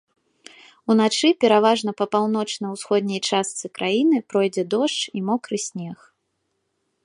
Уначы пераважна па паўночна-ўсходняй частцы краіны пройдзе дождж і мокры снег.